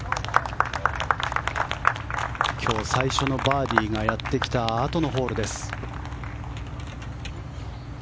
今日最初のバーディーがやってきたあとのホール。